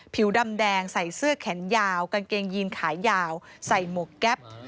ผิวดำแดงใส่เสื้อแขนยาวกางเกงยีนขายาวใส่หมวกแก๊ป